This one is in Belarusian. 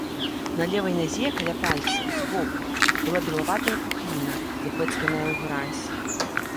На левай назе, каля пальцаў, збоку, была белаватая пухліна, запэцканая ў гразь.